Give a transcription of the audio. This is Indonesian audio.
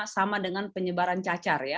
sama dengan penyebaran cacar ya